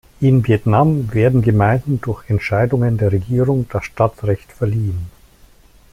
In Vietnam werden Gemeinden durch Entscheidungen der Regierung das Stadtrecht verliehen.